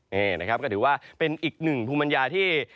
นี่นะครับก็ถือว่าเป็นอีกหนึ่งภูมิปัญญาที่